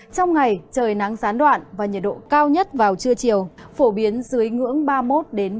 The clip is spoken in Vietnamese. trong ngày trời nắng gián đoạn và nhiệt độ cao nhất vào trưa chiều phổ biến dưới ngưỡng ba mươi một ba mươi